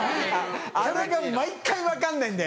あれが毎回分かんないんだよね。